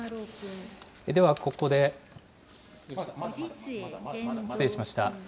ではここで、失礼しました。